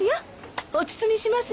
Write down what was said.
お包みしますね。